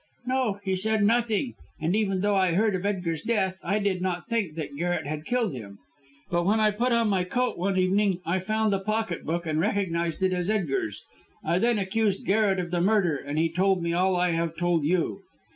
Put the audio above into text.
"No, he said nothing; and even though I heard of Edgar's death, I did not think that Garrett had killed him. But when I put on my coat one evening I found the pocket book, and recognised it as Edgar's. I then accused Garret of the murder, and he told me all I have told you.